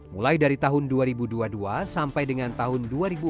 mulai dari tahun dua ribu dua puluh dua sampai dengan tahun dua ribu empat belas